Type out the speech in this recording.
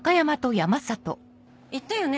言ったよね